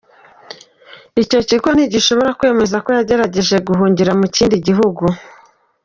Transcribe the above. Ico kigo ntigishobora kwemeza ko yagerageje guhungira mu kindi gihugu.